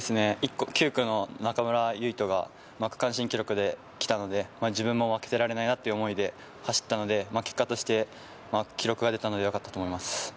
９区の中村唯翔が区間新記録で来たので自分も負けていられないという思いで走ったので、結果として記録が塗り替えられたのでよかったと思います。